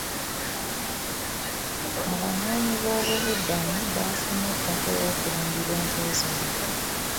Abanoonyi b'obubudamu baafunye ettaka aw'okulundira ente zaabwe.